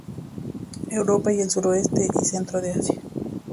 Europa y el suroeste y centro de Asia.